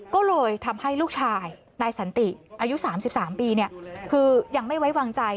ก็เลยทำให้ลูกชายนายสันติอายุ๓๓ปีคือยังไม่ไว้วางใจ